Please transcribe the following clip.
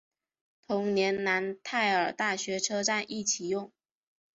同年楠泰尔大学车站亦启用。